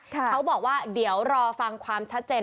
เขาบอกว่าเดี๋ยวรอฟังความชัดเจน